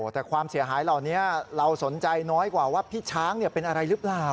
แต่ความเสียหายเหล่านี้เราสนใจน้อยกว่าว่าพี่ช้างเป็นอะไรหรือเปล่า